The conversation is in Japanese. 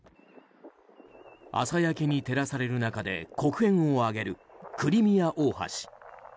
朝焼けに照らされる中で黒煙を上げるクリミア大橋。